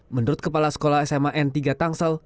menurut kepala sekolah sma n tiga tangsel